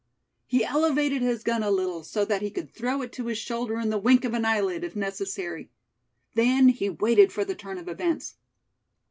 He elevated his gun a little, so that he could throw it to his shoulder in the wink of an eyelid, if necessary. Then he waited for the turn of events.